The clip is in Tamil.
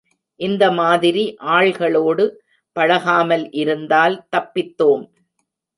இந்த மாதிரி ஆள்களோடு பழகாமல் இருந்தால் தப்பித்தோம்.